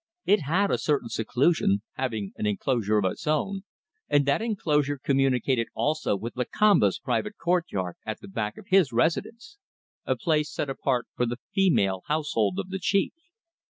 It had a certain seclusion, having an enclosure of its own, and that enclosure communicated also with Lakamba's private courtyard at the back of his residence a place set apart for the female household of the chief.